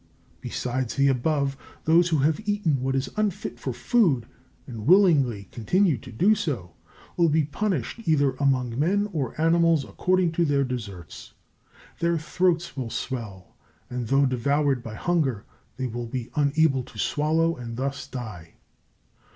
Besides the above, those who have eaten what is unfit for food and willingly continue to do so, will be punished either among men or animals according to their deserts. Their throats will swell, and though devoured by hunger they will be unable to swallow, and thus die.